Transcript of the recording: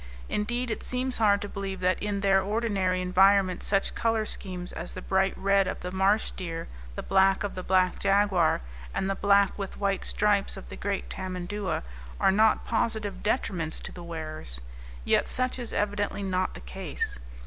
Indeed, it seems hard to believe that in their ordinary environments such color schemes as the bright red of the marsh deer, the black of the black jaguar, and the black with white stripes of the great tamandua, are not positive detriments to the wearers. Yet such is evidently not the case.